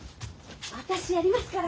私やりますから。